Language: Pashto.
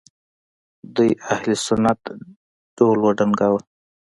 دوی اهل سنت ډول وډنګاوه